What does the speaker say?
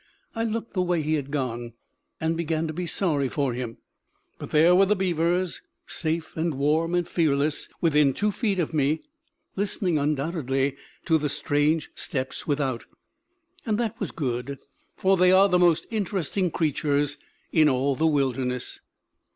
I looked the way he had gone, and began to be sorry for him. But there were the beavers, safe and warm and fearless within two feet of me, listening undoubtedly to the strange steps without. And that was good; for they are the most interesting creatures in all the wilderness.